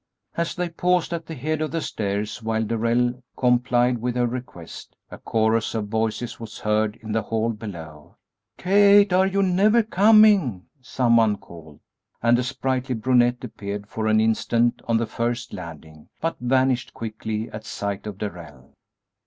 As they paused at the head of the stairs while Darrell complied with her request, a chorus of voices was heard in the hall below. "Kate, are you never coming?" some one called, and a sprightly brunette appeared for an instant on the first landing, but vanished quickly at sight of Darrell.